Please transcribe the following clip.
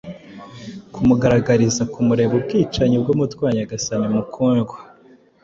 Kumugaragariza kumureba ubwicanyi bwumutwe wa nyagasani mukundwa,